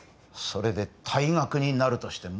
それで退学になるとしても？